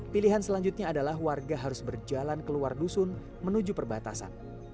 pilihan selanjutnya adalah warga harus berjalan keluar dusun menuju perbatasan